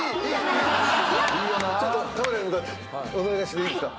ちょっとカメラに向かってお願いしていいですか？